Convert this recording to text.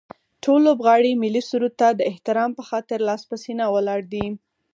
ټول لوبغاړي ملي سرود ته د احترام به خاطر لاس په سینه ولاړ دي